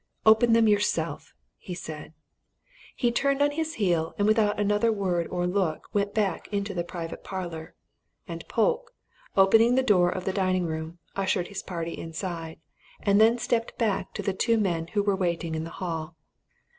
"Open them yourself!" he said. He turned on his heel, and without another word or look went back into the private parlour. And Polke, opening the door of the dining room, ushered his party inside, and then stepped back to the two men who were waiting in the hall.